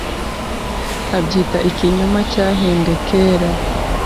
abyita ikinyoma cyahimbwe kera